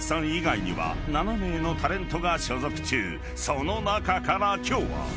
［その中から今日は］